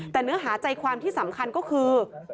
แต่เนื้อหาใจความที่สำคัญก็คือ